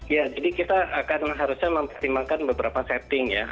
ya jadi kita akan harusnya mempertimbangkan beberapa setting ya